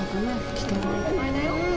危険がいっぱいだよ。